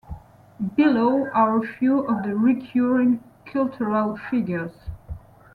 Below are a few of the recurring cultural figures.